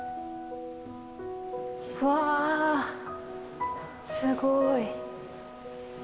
わ、すごい。